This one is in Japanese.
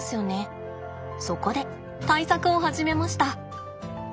そこで対策を始めました。